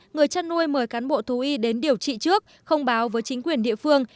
người chăn nuôi mời cán bộ thú y đến điều trị trước không báo với chính quyền địa phương